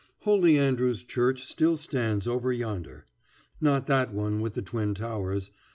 Holy Andrew's church still stands over yonder. Not that one with the twin towers.